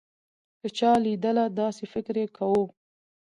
که چا لېدله داسې فکر يې کوو.